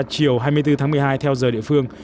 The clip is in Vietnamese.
chiều hai mươi bốn tháng một mươi hai theo giờ địa phương